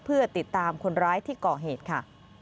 เพื่อติดตามคนร้ายที่ก่อเหตุค่ะ